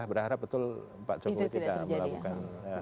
berharap betul pak jokowi tidak melakukan